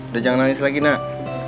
udah jangan nangis lagi nak